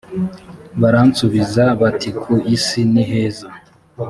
baransubiza bati ku isi niheza